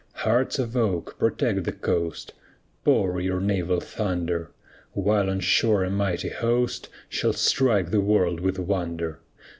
Hearts of oak, protect the coast, Pour your naval thunder, While on shore a mighty host Shall strike the world with wonder.